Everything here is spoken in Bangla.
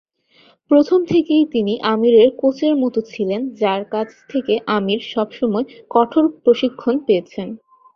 প্রথম থেকেই তিনি আমিরের কোচের মতো ছিলেন, যার কাছ থেকে আমির সবসময় কঠোর প্রশিক্ষণ পেয়েছেন।